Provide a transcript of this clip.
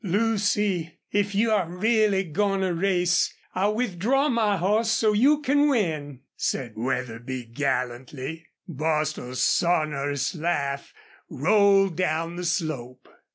"Lucy, if you are really goin' to race I'll withdraw my hoss so you can win," said Wetherby, gallantly. Bostil's sonorous laugh rolled down the slope.